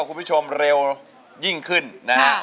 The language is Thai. ขอบคุณผู้ชมเร็วยิ่งขึ้นนะครับ